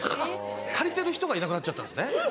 借りてる人がいなくなっちゃったんですね。